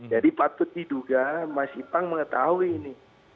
jadi patut diduga mas ipang mengetahui ini